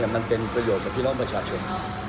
แต่มันเป็นประโยชน์กับพี่น้องประชาชน